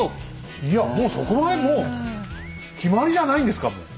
いやもうそこまでもう決まりじゃないんですかもう。